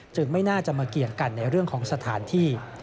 ไม่น่าจะมาเกี่ยงกันในเรื่องของสถานที่